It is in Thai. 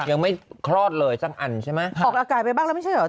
ออกอากาศไปบ้างไม่ใช่เหรอ